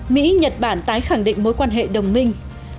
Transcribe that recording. mỹ nhật bản tái khẳng định mối quan hệ đồng minh